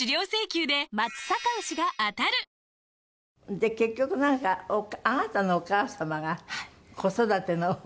で結局なんかあなたのお母様が子育ての方。